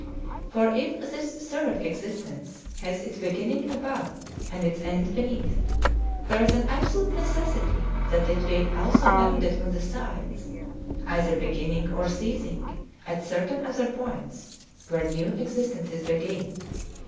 For if this third existence has its beginning above, and its end beneath, there is an absolute necessity that it be also bounded on the sides, either beginning or ceasing at certain other points, [where new existences begin.